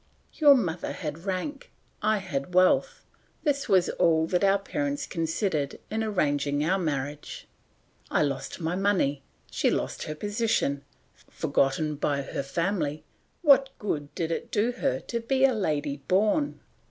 "Your mother had rank, I had wealth; this was all that our parents considered in arranging our marriage. I lost my money, she lost her position; forgotten by her family, what good did it do her to be a lady born?